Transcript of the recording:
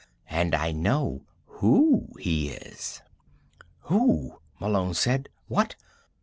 And I know who he is." "Who?" Malone said. "What?